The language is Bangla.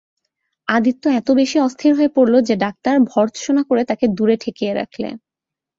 আদিত্য এত বেশি অস্থির হয়ে পড়ল যে ড়াক্তার ভর্ৎসনা করে তাকে দূরে ঠেকিয়ে রাখলে।